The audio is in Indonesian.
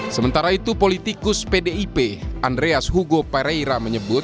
sementara itu politikus pdip andreas hugo pareira menyebut